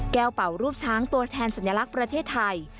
เป่ารูปช้างตัวแทนสัญลักษณ์ประเทศไทย